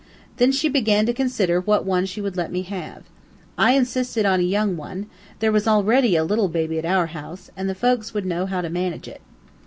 Then she began to consider what one she would let me have. I insisted on a young one there was already a little baby at our house, and the folks there would know how to manage it.